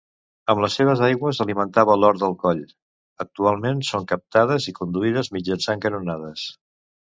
Amb les seves aigües alimentava l'Hort del Coll; actualment són captades i conduïdes mitjançant canonades.